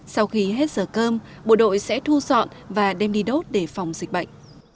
sau khi hết giờ cơm bộ đội sẽ thu dọn và đem đi đốt để phòng dịch bệnh